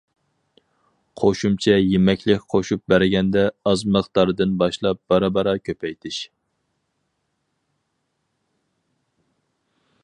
قوشۇمچە يېمەكلىك قوشۇپ بەرگەندە ئاز مىقداردىن باشلاپ بارا-بارا كۆپەيتىش.